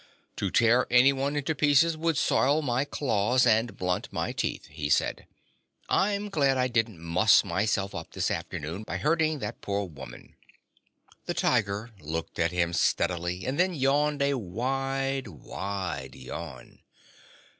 "To tear anyone into pieces would soil my claws and blunt my teeth," he said. "I'm glad I didn't muss myself up this afternoon by hurting that poor mother." The Tiger looked at him steadily and then yawned a wide, wide yawn.